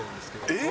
えっ？